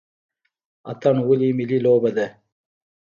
اتن ولې ملي لوبه ده؟